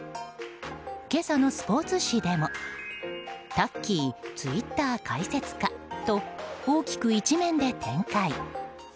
今朝のスポーツ紙でもタッキー、ツイッター開設かと大きく１面で展開。